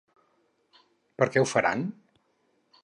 Per què ho faran?